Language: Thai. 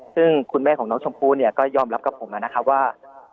ซึ่งคุณแม่ของน้องชมพู่เนี่ยก็ยอมรับกับผมนะครับว่า